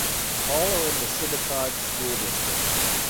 All are in the Sibutad School District.